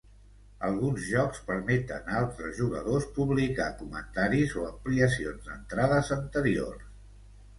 Alguns jocs permeten a altres jugadors publicar comentaris o ampliacions d'entrades anteriors.